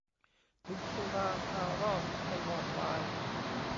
ถึงสุรา พารอด ไม่วอดวาย